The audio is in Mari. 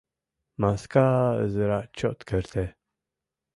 — Маска ызыра чот керте.